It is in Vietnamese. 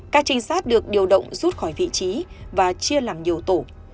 các trinh sát được điều động rút khỏi vị trí và chia làm nhiều tổ